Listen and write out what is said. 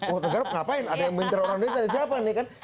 oh negara ngapain ada yang minter orang desa ada siapa nih kan